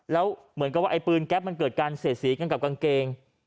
แล้วเหมือนกับว่าไอ้ปืนแก๊ปมันเกิดการเสียดสีกันกับกางเกง